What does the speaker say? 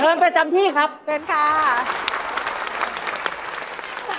เชิญไปจำที่ครับเชิญค่ะโอ้โฮ